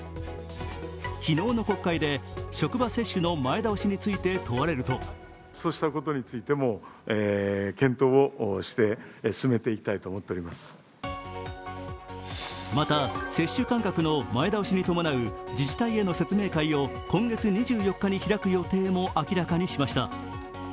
昨日の国会で、職場接種の前倒しについて問われるとまた接種間隔の前倒しに伴う自治体への説明会を今月２４日に開く予定も明らかにしました。